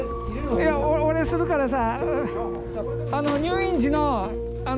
いや俺するからさ。